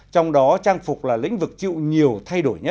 trong đó trang phục là lĩnh vực chịu nhiều thay đổi nhất